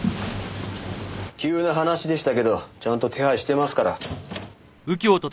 急な話でしたけどちゃんと手配してますから。